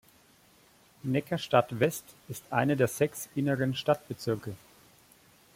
Neckarstadt-West ist einer der sechs inneren Stadtbezirke.